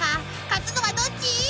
勝つのはどっち？］